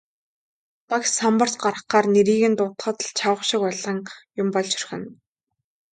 Багш самбарт гаргахаар нэрийг нь дуудахад л чавга шиг улаан юм болж орхино.